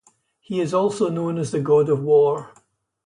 He is also known as the god of war.